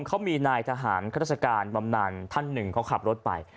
เขามีนายทหารข้าราชการบำนานท่านหนึ่งเขาขับรถไป